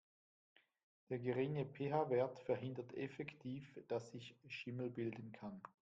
Der geringe PH-Wert verhindert effektiv, dass sich Schimmel bilden kann.